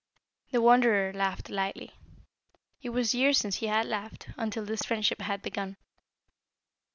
The Wanderer laughed lightly. It was years since he had laughed, until this friendship had begun.